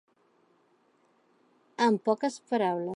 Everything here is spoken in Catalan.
Amb poques paraules.